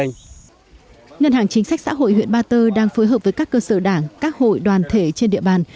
ngân hàng chính sách xã hội huyện ba tơ đang phối hợp với các cơ sở đảng các hội đoàn thể trên địa bàn